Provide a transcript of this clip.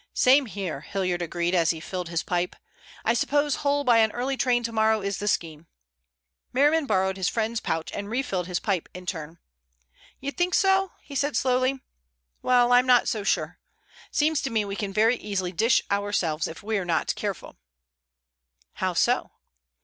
"Same here," Hilliard agreed as he filled his pipe. "I suppose Hull by an early train tomorrow is the scheme." Merriman borrowed his friend's pouch and refilled his pipe in his turn. "You think so?" he said slowly. "Well, I'm not so sure. Seems to me we can very easily dish ourselves if we're not careful." "How so?"